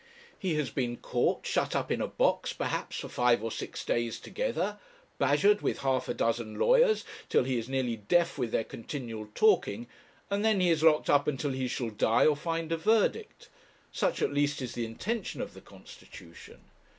He has been caught, shut up in a box, perhaps, for five or six days together, badgered with half a dozen lawyers till he is nearly deaf with their continual talking, and then he is locked up until he shall die or find a verdict. Such at least is the intention of the constitution.